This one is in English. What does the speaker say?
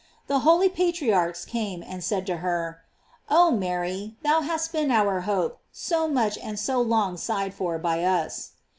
The holy patriarchs came and said to her: Oh Mary, thou hast been our hope, so much and so long sighed for by us.